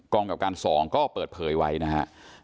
กรรมกรรมการสองก็เปิดเผยไว้นะฮะ